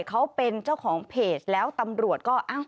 เขาเป็นเจ้าของเพจแล้วตำรวจก็อ้าว